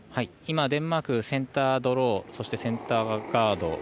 今、デンマークセンタードローそしてセンターガード